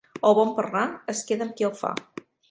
El bon parlar es queda amb qui el fa.